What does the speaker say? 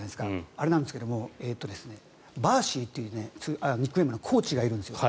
あれなんですけどバーシーというニックネームのコーチがいるんです。